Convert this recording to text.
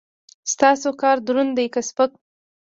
ستاسو کار دروند دی که سپک؟